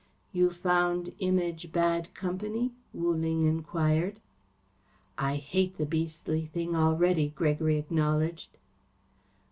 "You found Image bad company?" Wu Ling enquired. "I hate the beastly thing already," Gregory acknowledged.